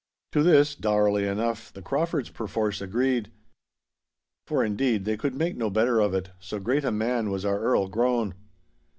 To this, dourly enough, the Craufords perforce agreed. For, indeed, they could make no better of it, so great a man was our Earl grown.